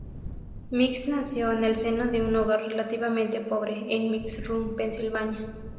Mix nació en el seno de un hogar relativamente pobre, en Mix Run, Pensilvania.